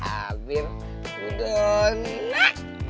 abir udah enak